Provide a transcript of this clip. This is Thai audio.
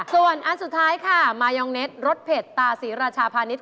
ส่วนอันสุดท้ายค่ะมายองเน็ตรสเผ็ดตาศรีราชาพาณิชย